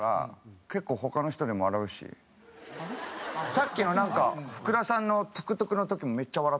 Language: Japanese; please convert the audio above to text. さっきのなんか福田さんのトゥクトゥクの時もめっちゃ笑ってたんで。